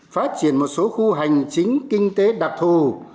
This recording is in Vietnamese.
phát triển một số khu hành chính kinh tế đặc thù